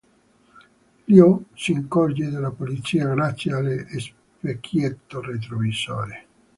Il-ho si accorge della polizia grazie allo specchietto retrovisore.